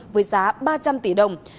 với giá ba trăm linh tỷ đồng